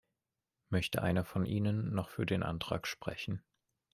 Möchte einer von Ihnen noch für den Antrag sprechen?